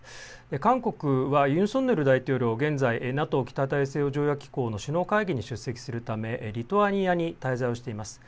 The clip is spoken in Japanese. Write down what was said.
韓国はユン・ソンニョル大統領、現在、ＮＡＴＯ・北大西洋条約機構の首脳会議に出席するためリトアニアに滞在しています。